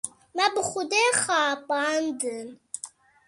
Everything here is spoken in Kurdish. Me bi Xwedê xapandin.